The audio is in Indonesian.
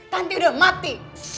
tanti udah mati